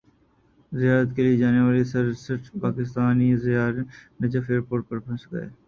زیارت کیلئے جانے والے سرسٹھ پاکستانی زائرین نجف ایئرپورٹ پر پھنس گئے